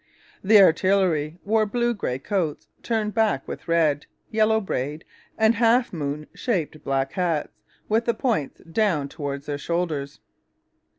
The artillery wore blue grey coats turned back with red, yellow braid, and half moon shaped black hats, with the points down towards their shoulders.